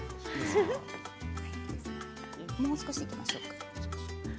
もう少しいきましょうか。